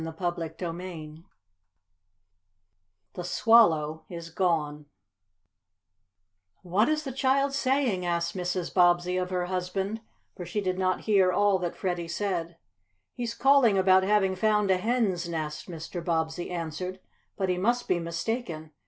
CHAPTER XVIII THE "SWALLOW" IS GONE "What is the child saying?" asked Mrs. Bobbsey of her husband, for she did not hear all that Freddie said. "He's calling about having found a hen's nest," Mr. Bobbsey answered, "but he must be mistaken.